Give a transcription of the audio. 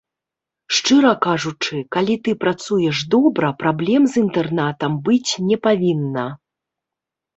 Шчыра кажучы, калі ты працуеш добра, праблем з інтэрнатам быць не павінна.